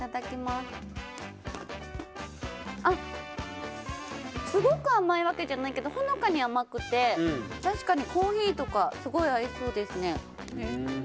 すごく甘いわけじゃないけどほのかに甘くて確かにコーヒーとかすごい合いそうです。